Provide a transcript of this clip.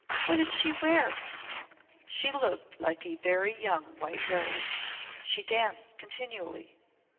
What did she wear?" "She looked like a very young white rose. She danced continually.